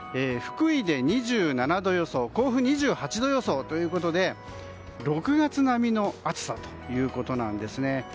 福井で２７度予想甲府で２８度予想ということで６月並みの暑さということなんです。